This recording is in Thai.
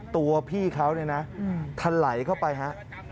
ตัวพี่เขาเนี่ยนะทะไหลเข้าไปฮะ